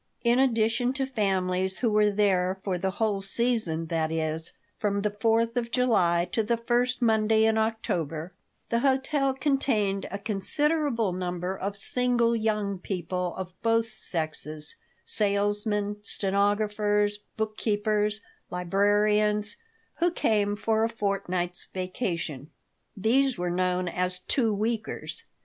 In addition to families who were there for the whole season that is, from the Fourth of July to the first Monday in October the hotel contained a considerable number of single young people, of both sexes salesmen, stenographers, bookkeepers, librarians who came for a fortnight's vacation. These were known as "two weekers."